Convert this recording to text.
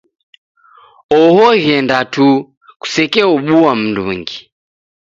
Oho ghenda tuu. Kusekeobua m'ndungi.